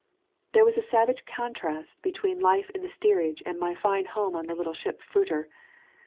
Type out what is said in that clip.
There was a savage contrast between life in the steerage and my fine home on the little ship fruiter.